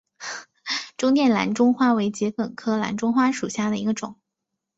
中甸蓝钟花为桔梗科蓝钟花属下的一个种。